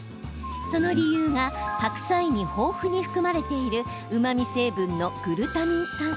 その理由が白菜に豊富に含まれているうまみ成分のグルタミン酸。